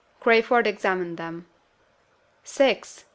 Crayford examined them. "Six!"